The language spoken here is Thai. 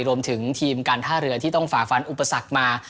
รวมถึงทีมการท่าเรือที่ต้องฝ่าฟันอุปสรรคมา